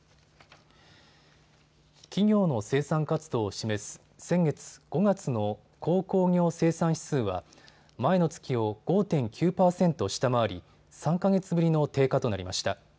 企業の生産活動を示す先月５月の鉱工業生産指数は前の月を５．９％下回り３か月ぶりの低下となりました。